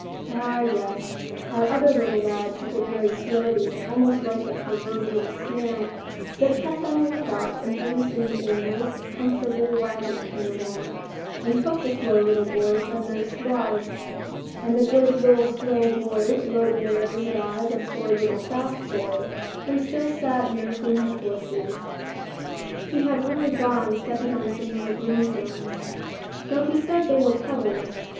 Ah, yes, our other little lad took it very slowly, almost like the proverbial snail, but kept on the lookout and pretty soon a nice, comfortable wagon came along, and took the slow little boy for a nice ride, and the good little slow boy rode merrily by the poor little fast boy, who still sat nursing his blisters. He had really gone stepping on some little brimstones, — though he said they were pebbles.